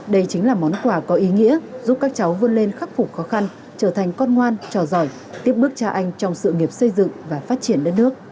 đây chính là món quà có ý nghĩa giúp các cháu vươn lên khắc phục khó khăn trở thành con ngoan trò giỏi tiếp bước cha anh trong sự nghiệp xây dựng và phát triển đất nước